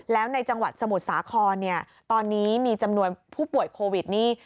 แล้วในจังหวัดสมุทรสาครเนี่ยตอนนี้มีจำนวนผู้ป่วยโควิดนี่